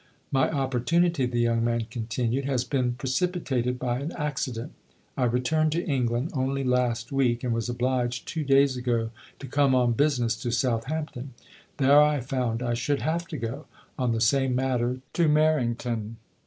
My opportunity," the young man continued, " has been precipitated by an accident. I returned to England only last week, and was obliged two days ago to come on business to Southampton. There I found I should have to go, on the same matter, to Mar rington.